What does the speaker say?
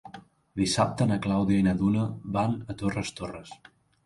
Dissabte na Clàudia i na Duna van a Torres Torres.